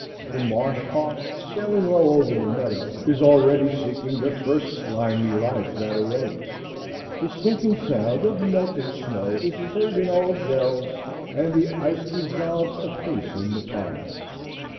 The marsh hawk sailing low over the meadow is already seeking the first slimy life that awakes. The sinking sound of melting snow is heard in all dells, and the ice dissolves apace in the ponds.